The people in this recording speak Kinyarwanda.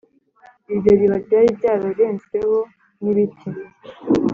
iryo riba ryari ryararenzweho n' ibiti